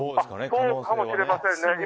そうかもしれませんね。